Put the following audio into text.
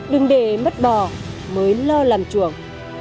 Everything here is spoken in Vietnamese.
đừng để mất bò mới lo làm chuồng